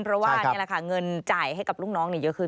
เพราะว่าเงินจ่ายให้กับลูกน้องเยอะขึ้น